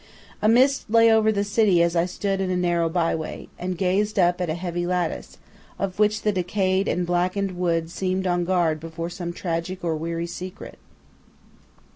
A mist lay over the city as I stood in a narrow byway, and gazed up at a heavy lattice, of which the decayed and blackened wood seemed on guard before some tragic or weary secret.